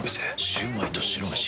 シュウマイと白めし。